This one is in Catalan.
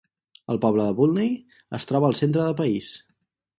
El poble de Volney es troba al centre de país.